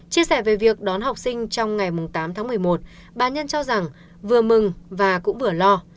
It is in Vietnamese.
chia sẻ về việc đón học sinh trong ngày tám tháng một mươi một bà nhân cho rằng vừa mừng và cũng vừa lo